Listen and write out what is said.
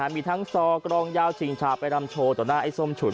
มีทั้งซอกรองยาวชิงชาไปรำโชว์ต่อหน้าไอ้ส้มฉุน